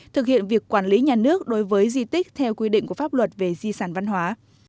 thực hiện việc quản lý nhà nước đối với di tích theo quy định của pháp luật về di sản văn hóa